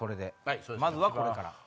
まずはこれから。